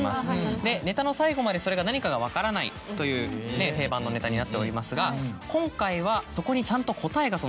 でネタの最後までそれが何かが分からないという定番のネタになっておりますが今回はちゃんと。